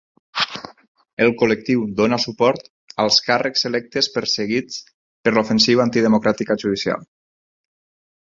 El col·lectiu dona suport als càrrecs electes perseguit per l'ofensiva antidemocràtica judicial.